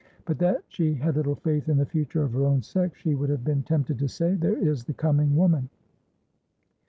But that she had little faith in the future of her own sex, she would have been tempted to say: "There is the coming woman."